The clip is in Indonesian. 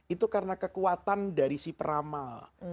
itu karena kekuatan dari si peramal